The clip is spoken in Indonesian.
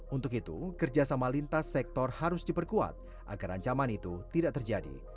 untuk itu kerjasama lintas sektor harus diperkuat agar ancaman itu tidak terjadi